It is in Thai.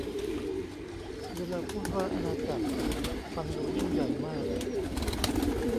เวลาพูดว่าอาณาจักร ฟังดูยิ่งใหญ่มาก